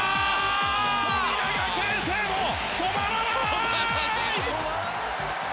富永啓生も止まらない！